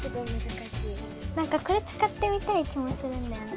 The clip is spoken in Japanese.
なんかこれ使ってみたい気もするんだよな。